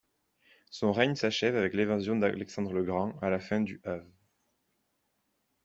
Son règne s'achève avec l'invasion d'Alexandre le Grand à la fin du av.